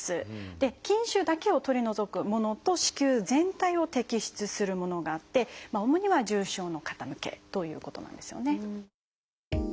筋腫だけを取り除くものと子宮全体を摘出するものがあって主には重症の方向けということなんですよね。